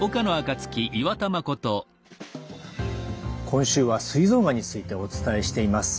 今週はすい臓がんについてお伝えしています。